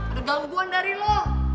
ada gangguan dari lo